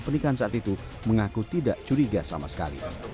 pernikahan saat itu mengaku tidak curiga sama sekali